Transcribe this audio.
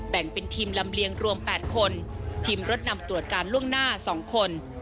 แบ่งเป็นทีมลำเลียงรวม๘คนทีมรถนำตรวจการล่วงหน้า๒คน